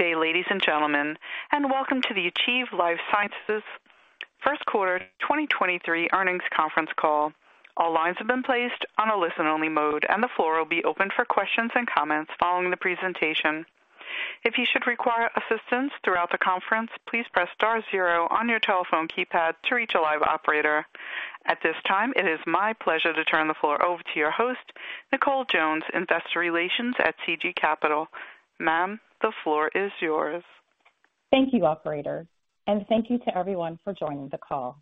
Good day, ladies and gentlemen, welcome to the Achieve Life Sciences first quarter 2023 earnings conference call. All lines have been placed on a listen-only mode. The floor will be open for questions and comments following the presentation. If you should require assistance throughout the conference, please press star zero on your telephone keypad to reach a live operator. At this time, it is my pleasure to turn the floor over to your host, Nicole Jones, Investor Relations at CG Capital. Ma'am, the floor is yours. Thank you, Operator. Thank you to everyone for joining the call.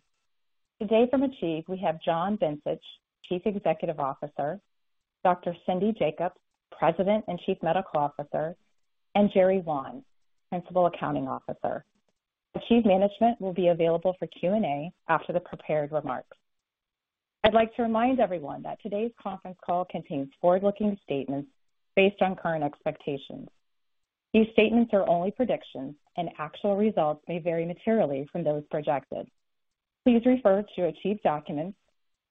Today from Achieve, we have John Bencich, Chief Executive Officer, Dr. Cindy Jacobs, President and Chief Medical Officer, and Jerry Wan, Principal Accounting Officer. Achieve management will be available for Q&A after the prepared remarks. I'd like to remind everyone that today's conference call contains forward-looking statements based on current expectations. These statements are only predictions and actual results may vary materially from those projected. Please refer to Achieve documents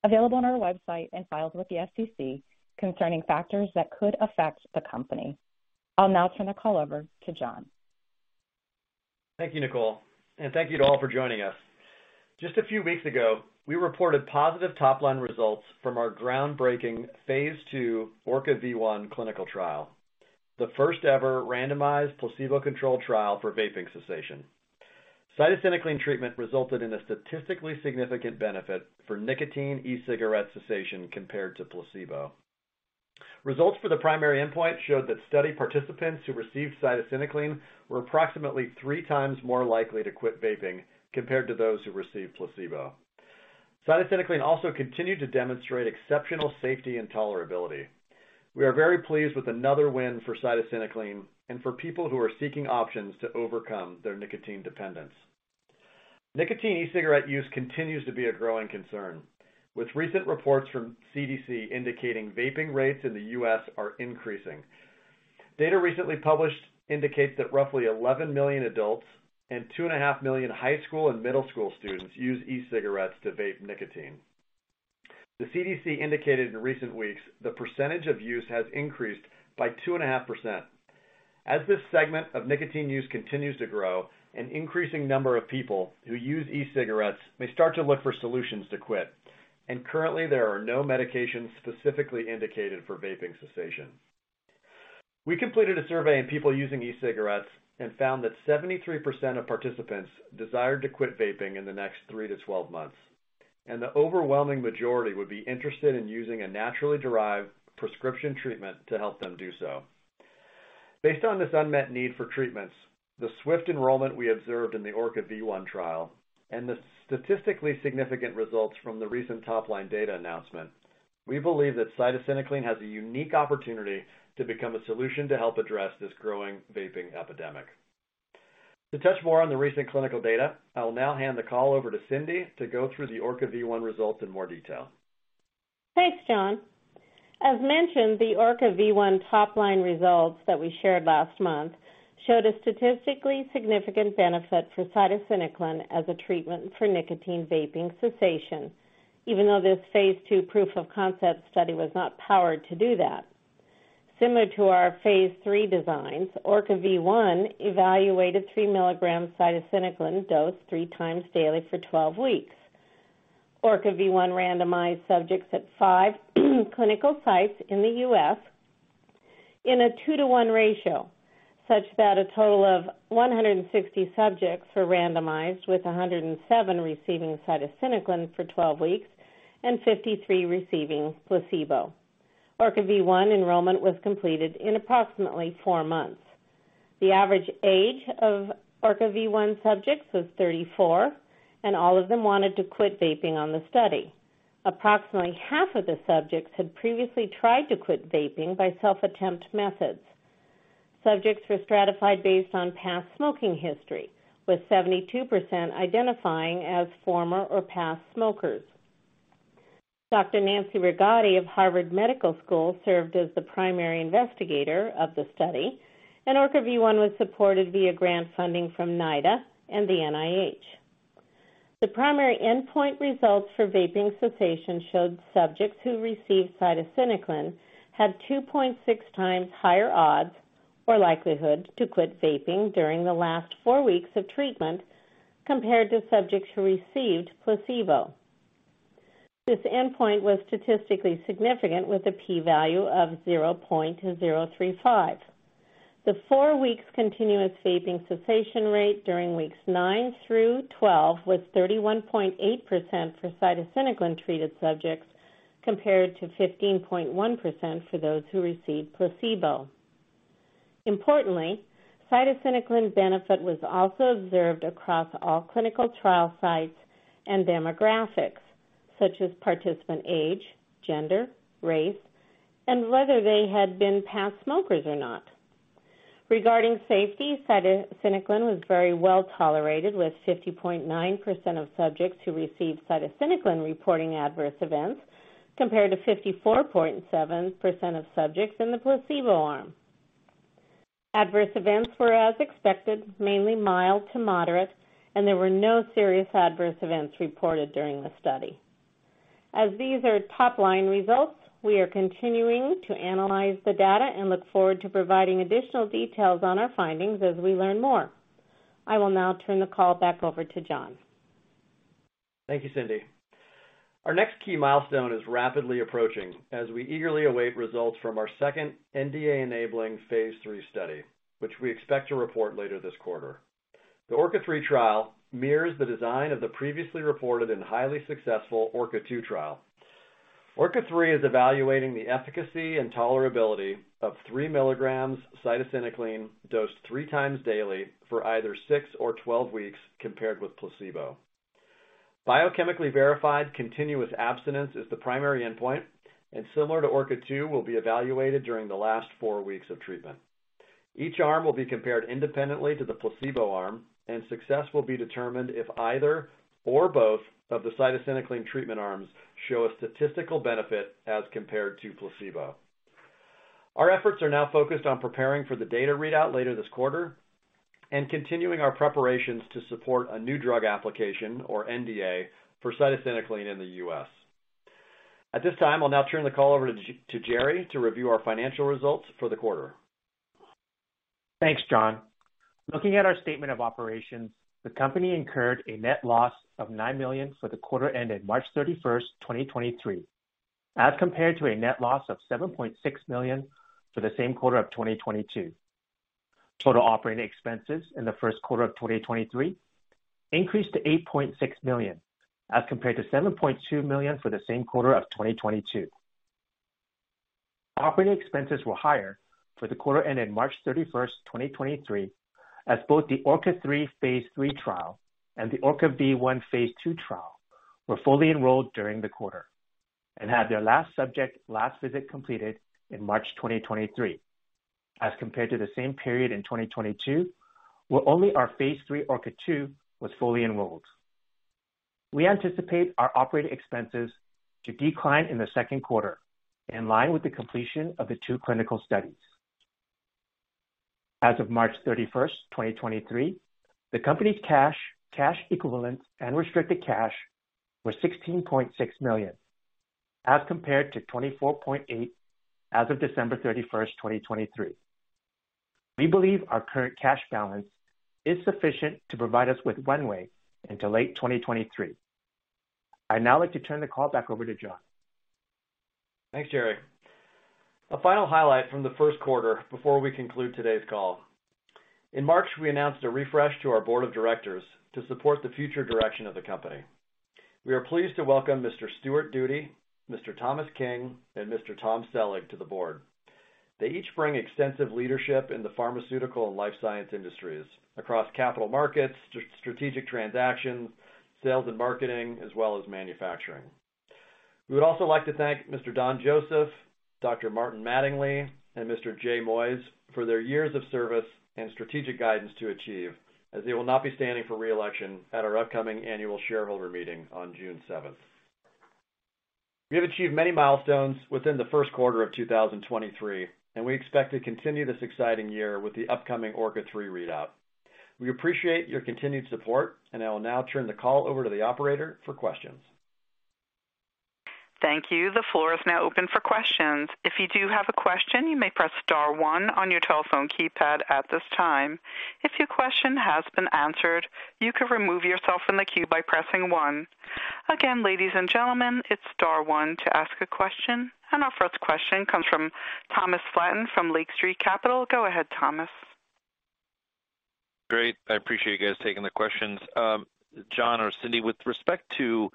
available on our website and filed with the SEC concerning factors that could affect the company. I'll now turn the call over to John. Thank you, Nicole, and thank you to all for joining us. Just a few weeks ago, we reported positive top-line results from our groundbreaking phase II ORCA-V1 clinical trial, the first-ever randomized placebo-controlled trial for vaping cessation. Cytisinicline treatment resulted in a statistically significant benefit for nicotine e-cigarette cessation compared to placebo. Results for the primary endpoint showed that study participants who received cytisinicline were approximately three times more likely to quit vaping compared to those who received placebo. Cytisinicline also continued to demonstrate exceptional safety and tolerability. We are very pleased with another win for cytisinicline and for people who are seeking options to overcome their nicotine dependence. Nicotine e-cigarette use continues to be a growing concern, with recent reports from CDC indicating vaping rates in the U.S. are increasing. Data recently published indicates that roughly 11 million adults and 2.5 million high school and middle school students use e-cigarettes to vape nicotine. The CDC indicated in recent weeks the percentage of use has increased by 2.5%. As this segment of nicotine use continues to grow, an increasing number of people who use e-cigarettes may start to look for solutions to quit. Currently, there are no medications specifically indicated for vaping cessation. We completed a survey in people using e-cigarettes and found that 73% of participants desired to quit vaping in the next 3-12 months, and the overwhelming majority would be interested in using a naturally derived prescription treatment to help them do so. Based on this unmet need for treatments, the swift enrollment we observed in the ORCA-V1 trial and the statistically significant results from the recent top-line data announcement, we believe that cytisinicline has a unique opportunity to become a solution to help address this growing vaping epidemic. To touch more on the recent clinical data, I will now hand the call over to Cindy to go through the ORCA-V1 results in more detail. Thanks, John. As mentioned, the ORCA-V1 top-line results that we shared last month showed a statistically significant benefit for cytisinicline as a treatment for nicotine vaping cessation even though this phase II proof of concept study was not powered to do that. Similar to our phase III designs, ORCA-V1 evaluated three milligrams cytisinicline dose three times daily for 12 weeks. ORCA-V1 randomized subjects at five clinical sites in the U.S. in a 2-to-1 ratio, such that a total of 160 subjects were randomized with 107 receiving cytisinicline for 12 weeks and 53 receiving placebo. ORCA-V1 enrollment was completed in approximately four months. The average age of ORCA-V1 subjects was 34, and all of them wanted to quit vaping on the study. Approximately half of the subjects had previously tried to quit vaping by self-attempt methods. Subjects were stratified based on past smoking history, with 72% identifying as former or past smokers. Dr. Nancy Rigotti of Harvard Medical School served as the primary investigator of the study. ORCA-V1 was supported via grant funding from NIDA and the NIH. The primary endpoint results for vaping cessation showed subjects who received cytisinicline had 2.6 times higher odds or likelihood to quit vaping during the last 4 weeks of treatment compared to subjects who received placebo. This endpoint was statistically significant with a P value of 0.035. The 4 weeks continuous vaping cessation rate during weeks 9 through 12 was 31.8% for cytisinicline-treated subjects, compared to 15.1% for those who received placebo. Importantly, cytisinicline benefit was also observed across all clinical trial sites and demographics such as participant age, gender, race, and whether they had been past smokers or not. Regarding safety, cytisinicline was very well tolerated, with 50.9% of subjects who received cytisinicline reporting adverse events, compared to 54.7% of subjects in the placebo arm. Adverse events were as expected, mainly mild to moderate, and there were no serious adverse events reported during the study. As these are top line results, we are continuing to analyze the data and look forward to providing additional details on our findings as we learn more. I will now turn the call back over to John. Thank you, Cindy. Our next key milestone is rapidly approaching as we eagerly await results from our second NDA-enabling phase III study, which we expect to report later this quarter. The ORCA-3 trial mirrors the design of the previously reported and highly successful ORCA-2 trial. ORCA-3 is evaluating the efficacy and tolerability of 3 milligrams cytisinicline dosed three times daily for either six or 12 weeks, compared with placebo. Biochemically verified continuous abstinence is the primary endpoint. Similar to ORCA-2, will be evaluated during the last four weeks of treatment. Each arm will be compared independently to the placebo arm. Success will be determined if either or both of the cytisinicline treatment arms show a statistical benefit as compared to placebo. Our efforts are now focused on preparing for the data readout later this quarter and continuing our preparations to support a new drug application, or NDA, for cytisinicline in the US. At this time, I'll now turn the call over to Jerry to review our financial results for the quarter. Thanks, John. Looking at our statement of operations, the company incurred a net loss of $9 million for the quarter ended March 31st, 2023, as compared to a net loss of $7.6 million for the same quarter of 2022. Total operating expenses in the first quarter of 2023 increased to $8.6 million, as compared to $7.2 million for the same quarter of 2022. Operating expenses were higher for the quarter ended March 31st, 2023, as both the ORCA-3 phase III trial and the ORCA-V1 phase II trial were fully enrolled during the quarter and had their last subject last visit completed in March 2023, as compared to the same period in 2022, where only our phase III ORCA-2 was fully enrolled. We anticipate our operating expenses to decline in the second quarter in line with the completion of the two clinical studies. As of March 31st, 2023, the company's cash equivalents and restricted cash were $16.6 million, as compared to $24.8 million as of December 31st, 2023. We believe our current cash balance is sufficient to provide us with runway into late 2023. I'd now like to turn the call back over to John. Thanks, Jerry. A final highlight from the 1st quarter before we conclude today's call. In March, we announced a refresh to our Board of Directors to support the future direction of the company. We are pleased to welcome Mr. Stuart Duty, Mr. Thomas King, and Mr. Tom Sellig to the Board. They each bring extensive leadership in the pharmaceutical and life science industries across capital markets, strategic transactions, sales and marketing, as well as manufacturing. We would also like to thank Mr. Donald Joseph, Dr. Martin Mattingly, and Mr. Jay Moyes for their years of service and strategic guidance to Achieve as they will not be standing for re-election at our upcoming annual shareholder meeting on June 7th. We have achieved many milestones within the 1st quarter of 2023, and we expect to continue this exciting year with the upcoming ORCA-3 readout. We appreciate your continued support, and I will now turn the call over to the operator for questions. Thank you. The floor is now open for questions. If you do have a question, you may press star one on your telephone keypad at this time. If your question has been answered, you can remove yourself from the queue by pressing one. Again, ladies and gentlemen, it's star one to ask a question. Our first question comes from Thomas Flaten from Lake Street Capital. Go ahead, Thomas. Great. I appreciate you guys taking the questions. John or Cindy, with respect to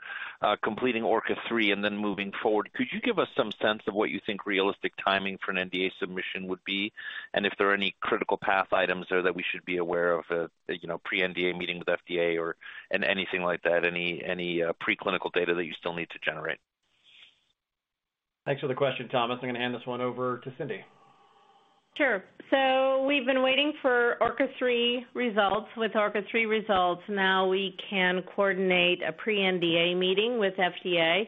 completing ORCA-3 and then moving forward, could you give us some sense of what you think realistic timing for an NDA submission would be and if there are any critical path items there that we should be aware of at, you know, pre-NDA meeting with FDA or, and anything like that, any pre-clinical data that you still need to generate? Thanks for the question, Thomas. I'm gonna hand this one over to Cindy. Sure. We've been waiting for ORCA-3 results. With ORCA-3 results now we can coordinate a pre-NDA meeting with FDA. I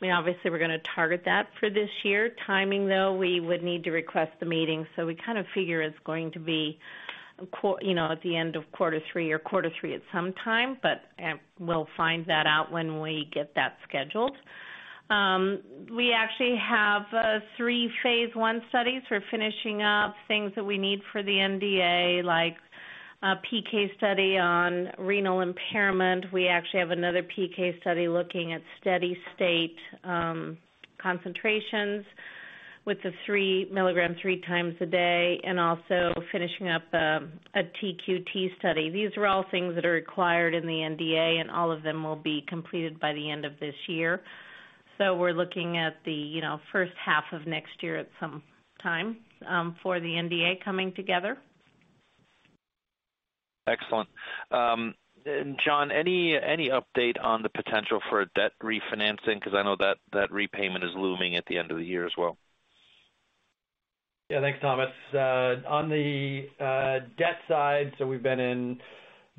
mean, obviously we're gonna target that for this year. Timing though, we would need to request the meeting, so we kind of figure it's going to be you know, at the end of quarter three or quarter three at some time, but we'll find that out when we get that scheduled. We actually have three phase I studies. We're finishing up things that we need for the NDA, like a PK study on renal impairment. We actually have another PK study looking at steady state concentrations with the 3 milligrams 3 times a day, and also finishing up a TQT study. These are all things that are required in the NDA. All of them will be completed by the end of this year. We're looking at the, you know, first half of next year at some time, for the NDA coming together. Excellent. John, any update on the potential for a debt refinancing? 'Cause I know that repayment is looming at the end of the year as well. Yeah. Thanks, Thomas. On the debt side, we've been in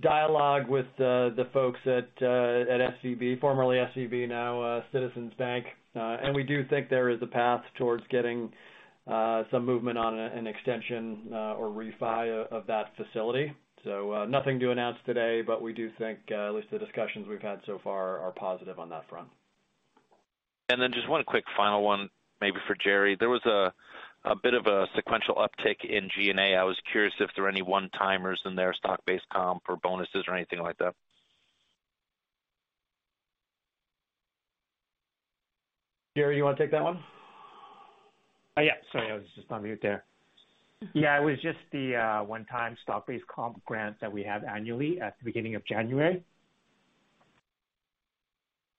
dialogue with the folks at SVB, formerly SVB, now First Citizens Bank. We do think there is a path towards getting some movement on an extension or refi of that facility. Nothing to announce today, but we do think at least the discussions we've had so far are positive on that front. Just one quick final one maybe for Jerry. There was a bit of a sequential uptick in G&A. I was curious if there are any one-timers in their stock-based comp for bonuses or anything like that. Jerry, you wanna take that one? Yeah. Sorry, I was just on mute there. Yeah, it was just the one-time stock-based comp grants that we have annually at the beginning of January.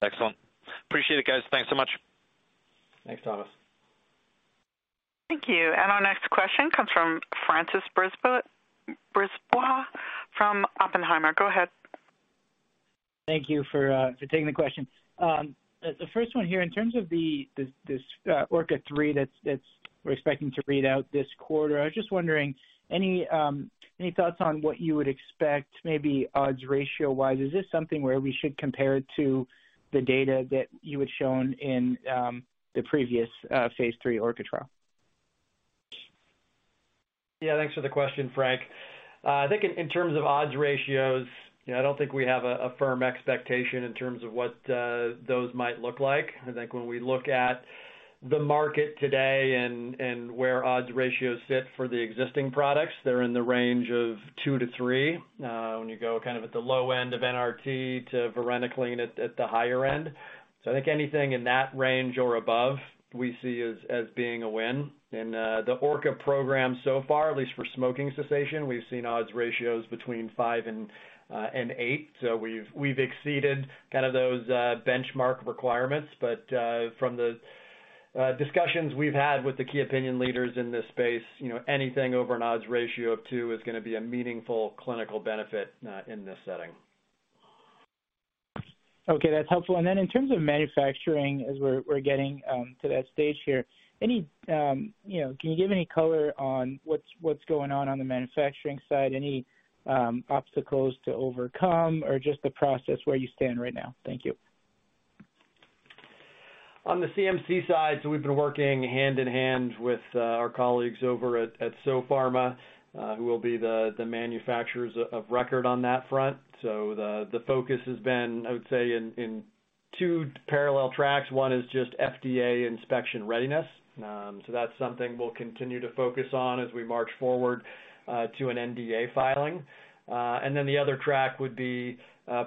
Excellent. Appreciate it, guys. Thanks so much. Thanks, Thomas. Thank you. Our next question comes from François Brisebois from Oppenheimer. Go ahead. Thank you for for taking the question. The first one here in terms of the ORCA-3 that's we're expecting to read out this quarter. I was just wondering, any thoughts on what you would expect, maybe odds ratio-wise? Is this something where we should compare it to the data that you had shown in the previous phase III ORCA trial? Yeah, thanks for the question, Frank. I think in terms of odds ratios, you know, I don't think we have a firm expectation in terms of what those might look like. I think when we look at the market today and where odds ratios sit for the existing products, they're in the range of 2-3, when you go kind of at the low end of NRT to varenicline at the higher end. I think anything in that range or above we see as being a win. The ORCA program so far, at least for smoking cessation, we've seen odds ratios between five and eight. So we've exceeded kind of those benchmark requirements. But from the discussions we've had with the key opinion leaders in this space, you know, anything over an odds ratio of two is gonna be a meaningful clinical benefit in this setting. Okay, that's helpful. In terms of manufacturing, as we're getting to that stage here, any, you know, can you give any color on what's going on on the manufacturing side? Any obstacles to overcome or just the process where you stand right now? Thank you. On the CMC side, we've been working hand in hand with our colleagues over at Sopharma, who will be the manufacturers of record on that front. The focus has been, I would say, in two parallel tracks. One is just FDA inspection readiness. That's something we'll continue to focus on as we march forward to an NDA filing. The other track would be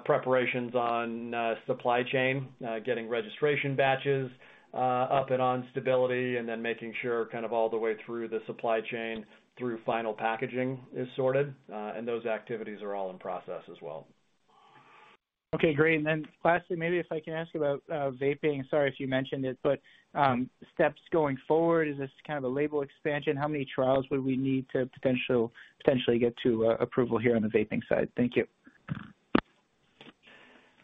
preparations on supply chain, getting registration batches up and on stability, and then making sure kind of all the way through the supply chain through final packaging is sorted. Those activities are all in process as well. Okay, great. Lastly, maybe if I can ask about vaping. Sorry if you mentioned it. Steps going forward, is this kind of a label expansion? How many trials would we need to potentially get to approval here on the vaping side? Thank you.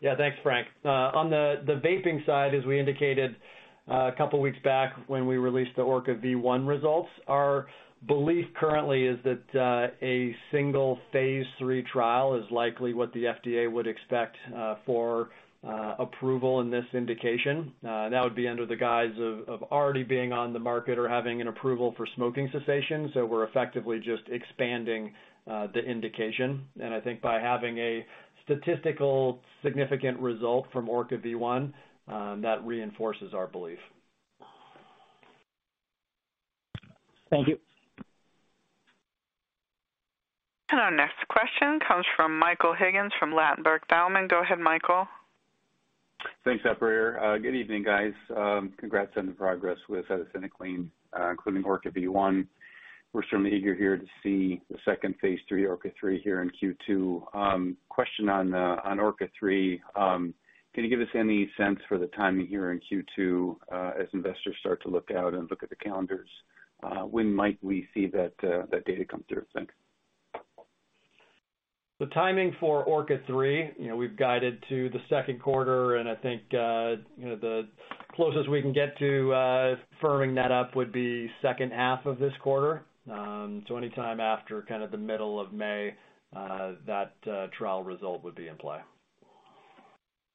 Thanks, Frank. On the vaping side, as we indicated a couple weeks back when we released the ORCA-V1 results, our belief currently is that a single phase III trial is likely what the FDA would expect for approval in this indication. That would be under the guise of already being on the market or having an approval for smoking cessation. We're effectively just expanding the indication. I think by having a statistical significant result from ORCA-V1, that reinforces our belief. Thank you. Our next question comes from Michael Higgins from Ladenburg Thalmann. Go ahead, Michael. Thanks, Operator. Good evening, guys. Congrats on the progress with cytisinicline, including ORCA-V1. We're certainly eager here to see the second phase III, ORCA-3 here in Q2. Question on ORCA-3. Can you give us any sense for the timing here in Q2, as investors start to look out and look at the calendars? When might we see that data come through? Thanks. The timing for ORCA-3, you know, we've guided to the second quarter, and I think, you know, the closest we can get to firming that up would be second half of this quarter. Anytime after kind of the middle of May, that trial result would be in play.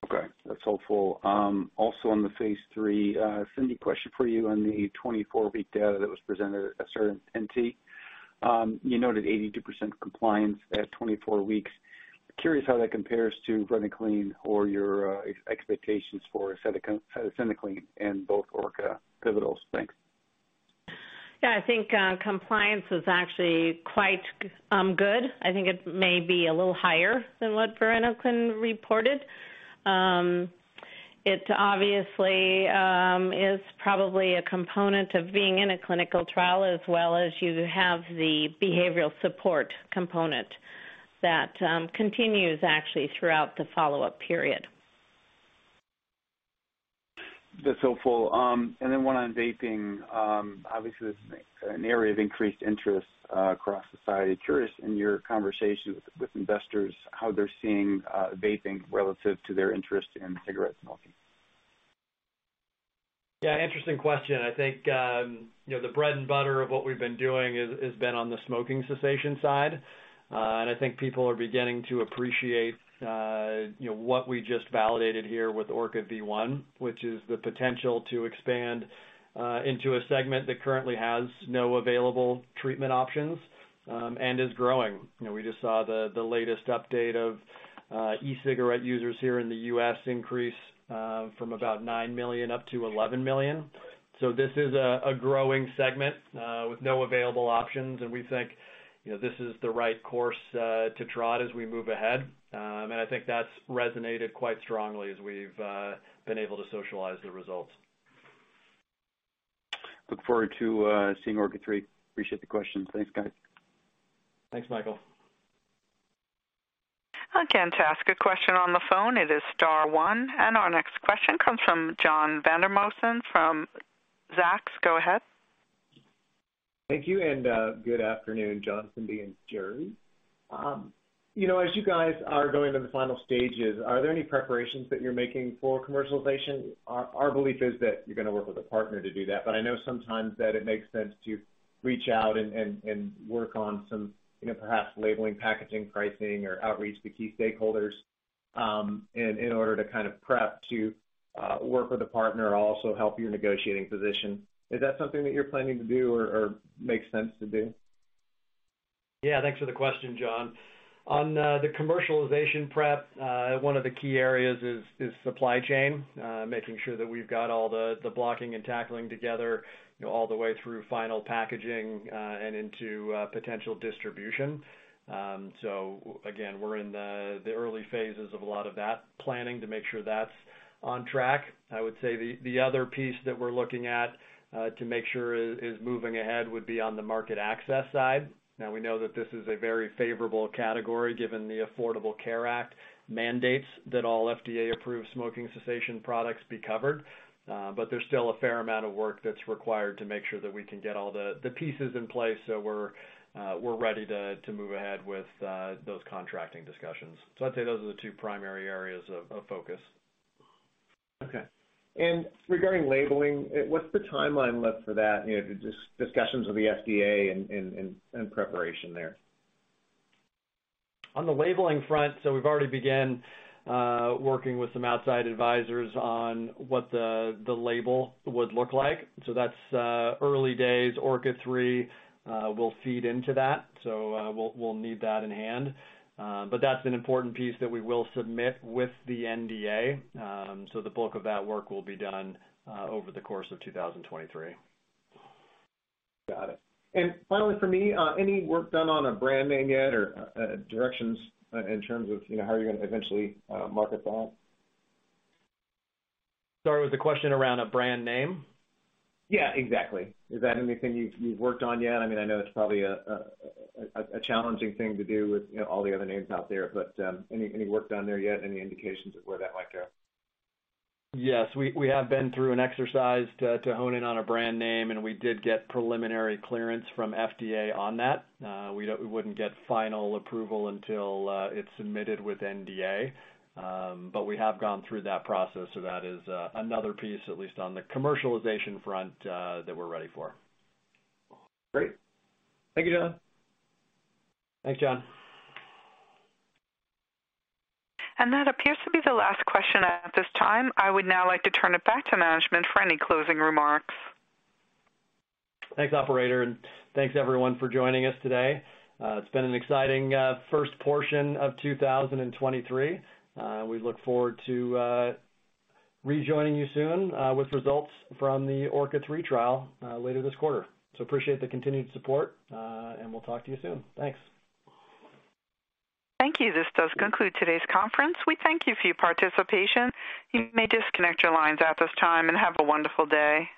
Okay. That's helpful. Also on the phase III, Cindy, question for you on the 24-week data that was presented at SRNT. You noted 82% compliance at 24 weeks. Curious how that compares to varenicline or your expectations for cytisinicline in both ORCA pivotals? Thanks. I think compliance was actually quite good. I think it may be a little higher than what varenicline reported. It obviously is probably a component of being in a clinical trial, as well as you have the behavioral support component that continues actually throughout the follow-up period. That's helpful. One on vaping. Obviously this is an area of increased interest across society. Curious in your conversations with investors, how they're seeing vaping relative to their interest in cigarette smoking. Yeah, interesting question. I think, you know, the bread and butter of what we've been doing is been on the smoking cessation side. And I think people are beginning to appreciate, You know what we just validated here with ORCA-V1, which is the potential to expand into a segment that currently has no available treatment options and is growing. You know, we just saw the latest update of e-cigarette users here in the US increase from about 9 million up to 11 million. So this is a growing segment with no available options. And we think, you know, this is the right course to trot as we move ahead. And I think that's resonated quite strongly as we've been able to socialize the results. Look forward to seeing ORCA-3. Appreciate the question. Thanks, guys. Thanks, Michael. Again, to ask a question on the phone, it is star one. Our next question comes from John Vandermosten from Zacks. Go ahead. Thank you. Good afternoon, John, Cindy, and Jerry. You know, as you guys are going to the final stages, are there any preparations that you're making for commercialization? Our belief is that you're gonna work with a partner to do that. I know sometimes that it makes sense to reach out and work on some, you know, perhaps labeling, packaging, pricing, or outreach to key stakeholders, in order to kind of prep to work with a partner and also help your negotiating position. Is that something that you're planning to do or makes sense to do? Yeah. Thanks for the question, John. On the commercialization prep, one of the key areas is supply chain, making sure that we've got all the blocking and tackling together, you know, all the way through final packaging, and into potential distribution. So again, we're in the early phases of a lot of that planning to make sure that's on track. I would say the other piece that we're looking at to make sure is moving ahead would be on the market access side. Now, we know that this is a very favorable category given the Affordable Care Act mandates that all FDA-approved smoking cessation products be covered. There's still a fair amount of work that's required to make sure that we can get all the pieces in place so we're ready to move ahead with those contracting discussions. I'd say those are the two primary areas of focus. Okay. Regarding labeling, what's the timeline left for that? You know, discussions with the FDA and preparation there. On the labeling front, we've already began working with some outside advisors on what the label would look like. That's early days. ORCA-3 will feed into that, we'll need that in hand. That's an important piece that we will submit with the NDA. The bulk of that work will be done over the course of 2023. Got it. Finally from me, any work done on a brand name yet or, directions in terms of, you know, how you're gonna eventually, market that? Sorry, was the question around a brand name? Yeah, exactly. Is that anything you've worked on yet? I mean, I know it's probably a challenging thing to do with, you know, all the other names out there, but any work done there yet? Any indications of where that might go? Yes. We have been through an exercise to hone in on a brand name. We did get preliminary clearance from FDA on that. We wouldn't get final approval until it's submitted with NDA. We have gone through that process. That is another piece, at least on the commercialization front, that we're ready for. Great. Thank you, John. Thanks, John. That appears to be the last question at this time. I would now like to turn it back to management for any closing remarks. Thanks, Operator. Thanks, everyone, for joining us today. It's been an exciting, first portion of 2023. We look forward to rejoining you soon, with results from the ORCA-3 trial, later this quarter. Appreciate the continued support, and we'll talk to you soon. Thanks. Thank you. This does conclude today's conference. We thank you for your participation. You may disconnect your lines at this time, and have a wonderful day.